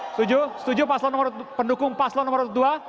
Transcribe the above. setuju setuju pendukung paslon nomor dua